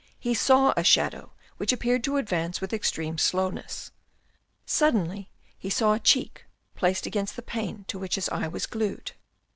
He saw a shadow which appeared to advance with extreme slowness. Suddenly he saw a cheek placed against the pane to which his eye was glued.